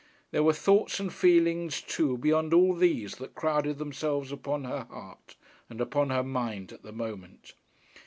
There were thoughts and feelings too beyond all these that crowded themselves upon her heart and upon her mind at the moment.